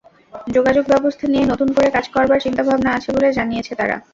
যোগাযোগব্যবস্থা নিয়ে নতুন করে কাজ করবার চিন্তাভাবনা আছে বলে জানিয়েছে তারা।